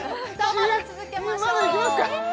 まだいきますか？